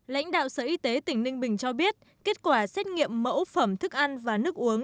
lãnh đạo sở y tế tỉnh ninh bình cho biết kết quả xét nghiệm mẫu phẩm thức ăn và nước uống